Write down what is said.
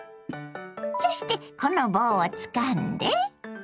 そしてこの棒をつかんで。